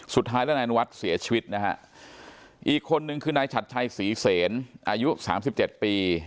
สุดท้ายแล้วนายอนุวัฒน์เสียชีวิตนะฮะอีกคนนึงคือนายฉัดชัยศรีเสนอายุสามสิบเจ็ดปี